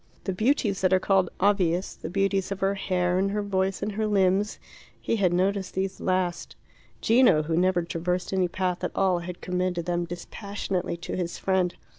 The beauties that are called obvious the beauties of her hair and her voice and her limbs he had noticed these last; Gino, who never traversed any path at all, had commended them dispassionately to his friend.